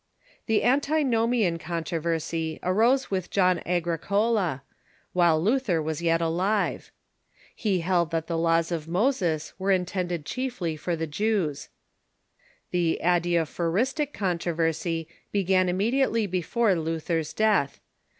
The Antinomian Coyitroversy arose with John Agricola, while Luther was yet alive. He held that the laws of Moses THE PROTESTANT CHURCH IN GERMANY 311 were intended chiefly for the Jews. The Adiaphoristic Con tro'oersy began immediately before Lutlier's death.